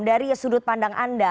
dari sudut pandang anda